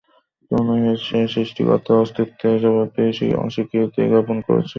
কেননা, সে সৃষ্টিকর্তার অস্তিত্বের প্রতি অস্বীকৃতি জ্ঞাপন করেছিল।